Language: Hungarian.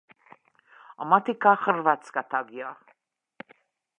A Matica hrvatska tagja.